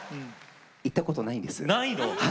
行ったことないです。